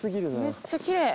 めっちゃきれい。